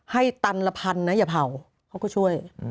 ให้ตันละพันนะอย่าเผาเขาก็ช่วย